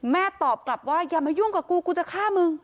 ตอบกลับว่าอย่ามายุ่งกับกูกูจะฆ่ามึง